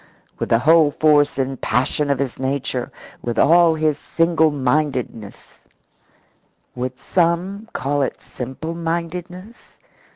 With the whole force and passion of his nature, with all his single mindedness would some call it simple mindedness?